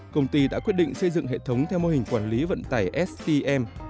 công ty đã quyết định xây dựng hệ thống theo mô hình quản lý vận tải stm